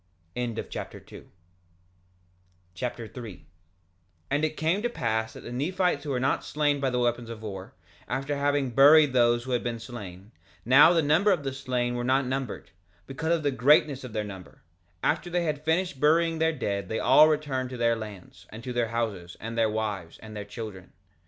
Alma Chapter 3 3:1 And it came to pass that the Nephites who were not slain by the weapons of war, after having buried those who had been slain—now the number of the slain were not numbered, because of the greatness of their number—after they had finished burying their dead they all returned to their lands, and to their houses, and their wives, and their children.